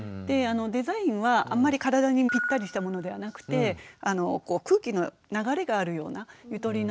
デザインはあんまり体にぴったりしたものではなくて空気の流れがあるようなゆとりのあるものがいいと思います。